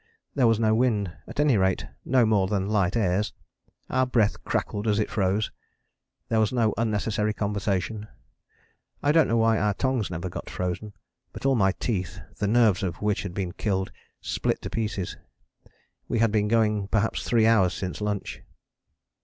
There was no wind, at any rate no more than light airs: our breath crackled as it froze. There was no unnecessary conversation: I don't know why our tongues never got frozen, but all my teeth, the nerves of which had been killed, split to pieces. We had been going perhaps three hours since lunch.